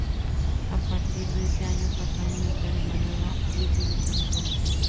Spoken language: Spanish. A partir de ese año, pasó a militar en la nueva "Third Division South".